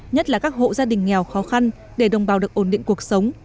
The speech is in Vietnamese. nhất là các hộ gia đình nghèo khó khăn để đồng bào được ổn định cuộc sống